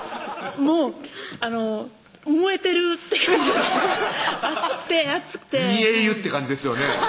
もう燃えてるって感じ熱くて熱くて煮え湯って感じですよね